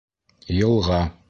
Йылға